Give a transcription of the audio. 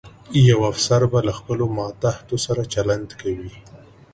یو افسر به له خپلو ماتحتو سره چلند کوي.